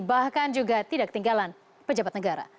bahkan juga tidak ketinggalan pejabat negara